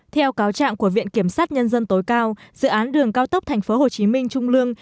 theo cáo trạng của viện kiểm sát nhân dân tối cao dự án đường cao tốc tp hcm trung lương